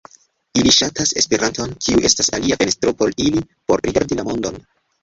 Ili ŝatas Esperanton, kiu estas alia fenestro por ili por rigardi la mondon.